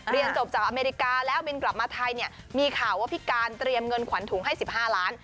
เรียนจบจากอเมริกาแล้วบินกลับมาไทยเนี่ยมีข่าวว่าพี่การเตรียมเงินขวัญถุงให้๑๕ล้าน